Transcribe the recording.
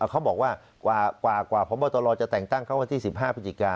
เขาบอกว่าพบตจะแต่งตั้งเขาว่าที่๑๕พก